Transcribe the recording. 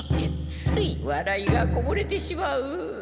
ついわらいがこぼれてしまう。